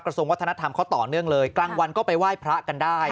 ส่วนวัฒนธรรมเขาต่อเนื่องเลยกลางวันก็ไปไหว้พระกันได้